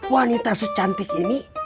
wanita secantik ini